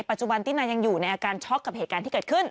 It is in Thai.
ปัจจุบันตินายังอยู่ในอาการช็อกกับเหตุการณ์ที่เกิดขึ้น